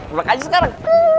udah kan sekarang